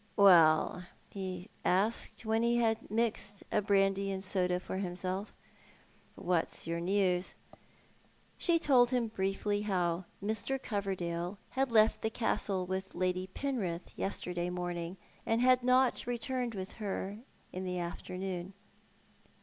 " "Well ?" he asked, when he had mixed a brandy and soda for himself, " what's your news? " She told him brieHy how Mr. Coverdalo had left the Castle with Lady Penritli yesterday morning, and had not returned with her in the afternoon.